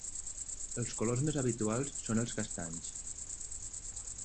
Els colors més habituals són els castanys.